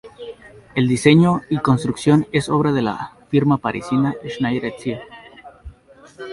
El diseño y construcción es obra de la firma parisina Schneider et Cie.